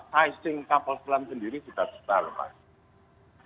sizing kapal selam sendiri sudah terlepas